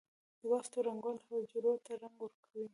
د بافتو رنگول حجرو ته رنګ ورکوي.